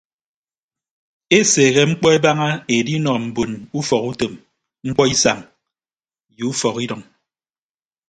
Eseehe mkpọ ebaña edinọ mbon ufọkutom mkpọisañ mme ufọkidʌñ.